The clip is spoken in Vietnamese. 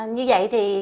như vậy thì